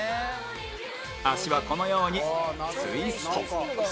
足はこのようにツイスト